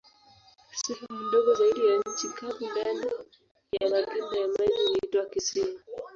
Sehemu ndogo zaidi za nchi kavu ndani ya magimba ya maji huitwa kisiwa.